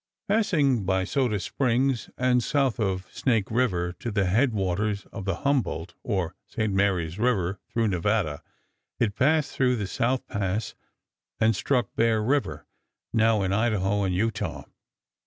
Passing by Soda Springs and south of Snake River to the headwaters of the Humboldt, or St. Marys River, through Nevada, it passed through the South Pass and struck Bear River, now in Idaho and Utah.